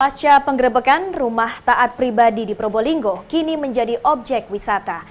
pasca penggerebekan rumah taat pribadi di probolinggo kini menjadi objek wisata